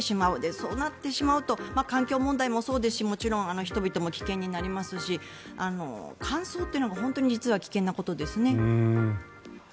そうなってしまうと環境問題もそうですしもちろん人々も危険になりますし乾燥っていうのが本当に実は危険なことですね。